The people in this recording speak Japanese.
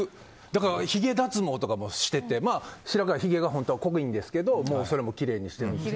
だからひげ脱毛とかもしてて白川は本当は濃いんですけどそれもきれいにしているし。